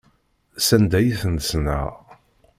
S anda i ten-ssneɣ.